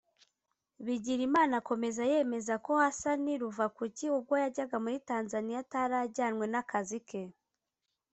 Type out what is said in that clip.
Bigirimana akomeza yemeza ko Hassan Ruvakuki ubwo yajyaga muri Tanzaniya atari ajyanywe n’akazi ke